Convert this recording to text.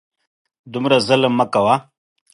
دومره ظلم مه کوه !